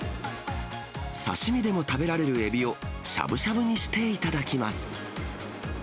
刺身でも食べられるエビを、しゃぶしゃぶにして頂きます。